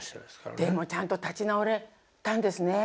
でもちゃんと立ち直れたんですね。